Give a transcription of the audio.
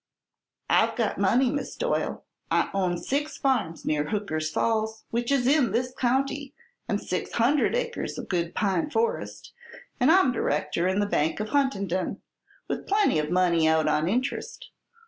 I've got money, Miss Doyle. I own six farms near Hooker's Falls, which is in this county, and six hundred acres of good pine forest, and I'm director in the Bank of Huntingdon, with plenty of money out on interest.